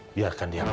biarkan dia lagi ya